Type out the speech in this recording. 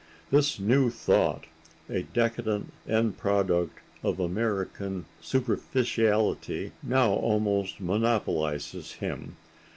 This New Thought, a decadent end product of American superficiality, now almost monopolizes him.